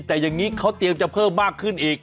แต่อย่างนี้เขาเตรียมจะเพิ่มมากขึ้นอีก